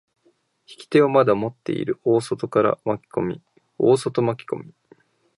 引き手をまだ持っている大外から巻き込み、大外巻き込み。